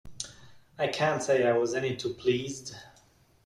I can't say I was any too pleased.